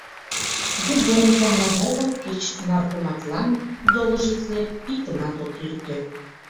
Губвоенкомлан огыл, кеч Наркоматлан доложитле, иктымат от лӱдыктӧ...